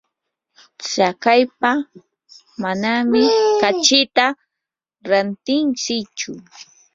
tsakaypa manami kachita rantintsichu.